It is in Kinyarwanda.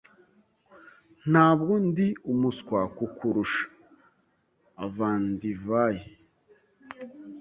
Ntabwo ndi umuswa kukurusha. (avandivai)